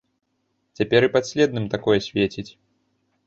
Цяпер і падследным такое свеціць.